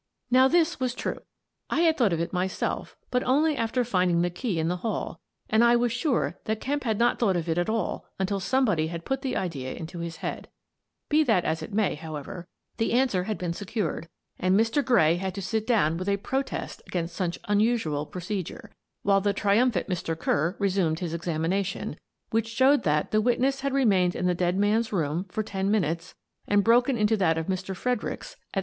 Now this was true. I had thought of it myself, but only after finding the key in the hall, and I was sure that Kemp had not thought of it at all, until somebody had put the idea into his head. Be that as it might, however, the answer had been secured and Mr. Gray had to sit down with a protest against such unusual procedure, while the triumphant Mr. Kerr resumed his examination, which showed that the witness had remained in the dead man's room for ten minutes and broken into that of Mr. Fred ericks at 3.25.